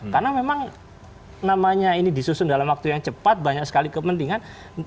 karena memang namanya ini disusun dalam waktu yang cepat banyak sekali kepentingan